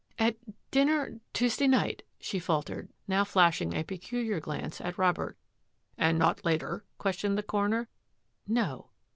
" At dinner Tuesday night," she faltered, now flashing a peculiar glance at Robert. " And not later? " questioned the coroner. " No."